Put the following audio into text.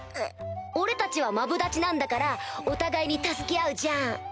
俺たちはマブダチなんだからお互いに助け合うじゃん？